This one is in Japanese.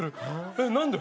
えっ何で？